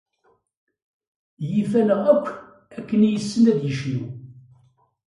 Yif-aneɣ akk akken i yessen ad yecnu.